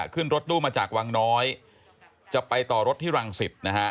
ขึ้นรถตู้มาจากวังน้อยจะไปต่อรถที่รังสิตนะฮะ